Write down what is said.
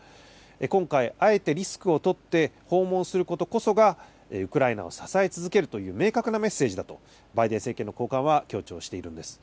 今回、あえてリスクを取って訪問することこそが、ウクライナを支え続けるという明確なメッセージだとバイデン政権の高官は強調しているんです。